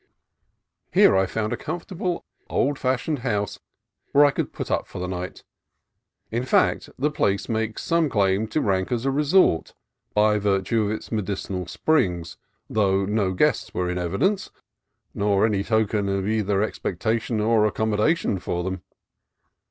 Here I found a comfortable, old fashioned house where I could put up for the night. In fact, the place makes some claim to rank as a resort, by virtue of its medicinal springs, though no guests were in evidence, nor any token of either expectation or accommoda tion for them.